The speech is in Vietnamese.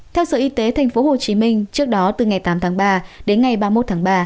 theo sở y tế thành phố hồ chí minh trước đó từ ngày tám tháng ba đến ngày ba mươi một tháng ba